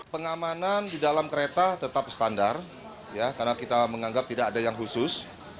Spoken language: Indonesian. pengamanan di dalam kereta tetap standar karena kita menganggap tidak ada yang khusus